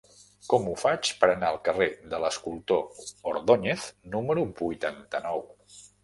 Com ho faig per anar al carrer de l'Escultor Ordóñez número vuitanta-nou?